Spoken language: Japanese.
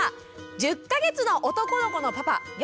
１０か月の男の子のパパよ